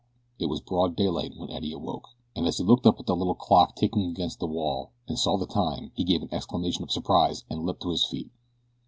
It was broad daylight when Eddie awoke, and as he looked up at the little clock ticking against the wall, and saw the time he gave an exclamation of surprise and leaped to his feet.